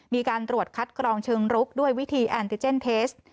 มีการตรวจคัดกรองเชิงรุกด้วยวิธีแอนติเจนเทส